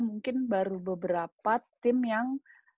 mungkin baru beberapa tim yang